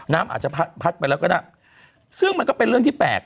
น้ำอาจจะพัดพัดไปแล้วก็ได้ซึ่งมันก็เป็นเรื่องที่แปลก